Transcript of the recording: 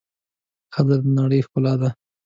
ښځه د د نړۍ ښکلا ده.